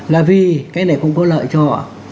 là vì cái này không có lợi cho họ